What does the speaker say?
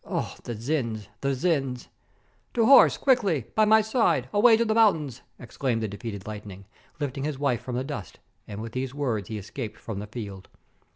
Oh, the Dzins — the Dzins! "To horse quickly, by my side, away to the mountains!" exclaimed the de feated "lightning," lifting his wife from the dust, and with these words he escaped from the field.